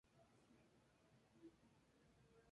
Junto Taguchi